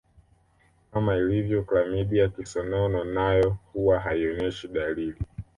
Kama ilivyo klamidia kisonono nayo huwa haionyeshi dalili